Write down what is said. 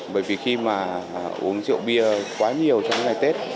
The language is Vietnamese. bởi vì khi mà uống rượu bia quá nhiều trong những ngày tết